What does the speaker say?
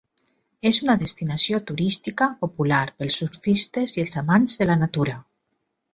És una destinació turística popular pels surfistes i els amants de la natura.